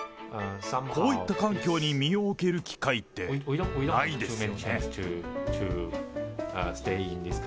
こういった環境に身を置ける機会って、ないですよね。